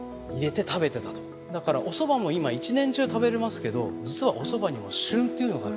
だからおそばも今一年中食べれますけど実はおそばにも旬っていうのがある。